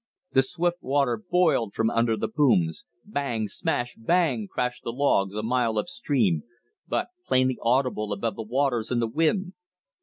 The swift water boiled from under the booms. BANG! SMASH! BANG! crashed the logs, a mile upstream, but plainly audible above the waters and the wind.